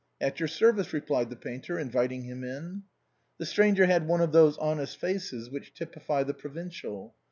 " At your service," replied the painter, inviting him in. The stranger had one of those honest faces which typify the provincial.